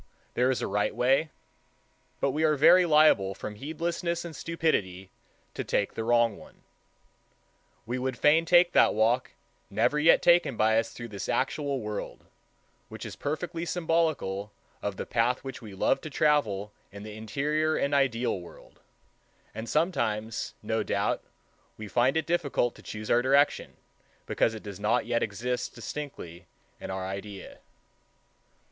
There is a right way; but we are very liable from heedlessness and stupidity to take the wrong one. We would fain take that walk, never yet taken by us through this actual world, which is perfectly symbolical of the path which we love to travel in the interior and ideal world; and sometimes, no doubt, we find it difficult to choose our direction, because it does not yet exist distinctly in our idea.